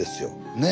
ねえ？